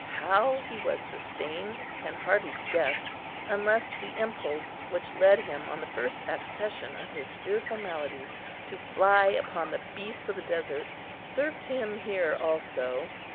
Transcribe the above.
How he was sustained can hardly be guessed, unless the impulse, which led him on the first accession of his fearful malady, to fly upon the beasts of the desert, served him here also.